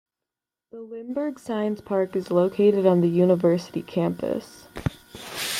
The Limburg Science Park is located on the university campus.